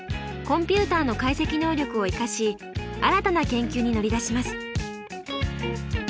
コンピューターの解析能力を生かし新たな研究に乗り出します。